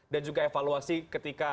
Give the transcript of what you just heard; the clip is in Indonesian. dan juga evaluasi ketika